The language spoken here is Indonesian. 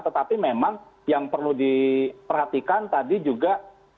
tetapi memang yang perlu diperhatikan tadi juga